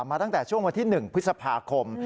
มาตั้งแต่ช่วงวันที่๑พฤษภาคม